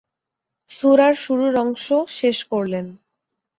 সূরার শুরুর অংশ শেষ করলেন।